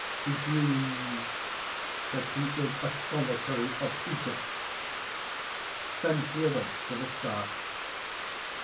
He dreams that he is a Solitary of Egypt._ _Then he awakes with a start.